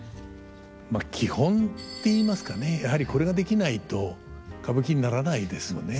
まあ基本ていいますかねやはりこれができないと歌舞伎にならないですよね。